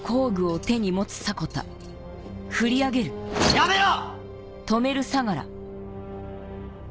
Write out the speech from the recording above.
やめろ！